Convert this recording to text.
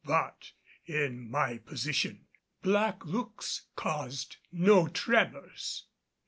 But, in my position, black looks caused no tremors.